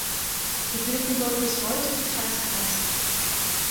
Sie bilden dort bis heute die Kreisgrenzen.